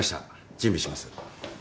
準備します。